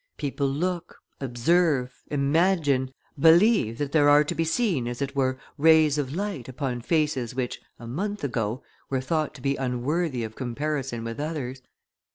People look, observe, imagine, believe that there are to be seen as it were rays of light upon faces which, a month ago, were thought to be unworthy of comparison with others.